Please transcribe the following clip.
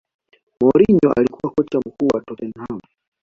mourinho alikuwa kocha mkuu wa tottenham